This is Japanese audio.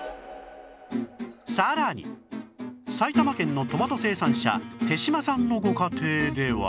さらに埼玉県のトマト生産者手島さんのご家庭では